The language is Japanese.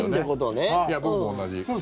僕も同じ。